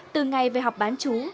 từ ngày về học bán chú